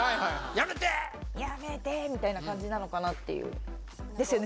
「やめて！」みたいな感じなのかなっていうですよね？